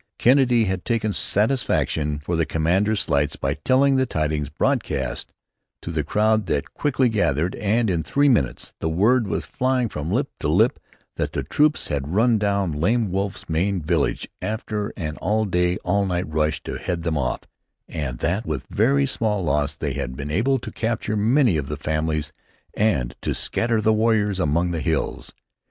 Kennedy had taken satisfaction for the commander's slights by telling the tidings broadcast to the crowd that quickly gathered, and, in three minutes, the word was flying from lip to lip that the troops had run down Lame Wolf's main village after an all day, all night rush to head them off, and that with very small loss they had been able to capture many of the families and to scatter the warriors among the hills.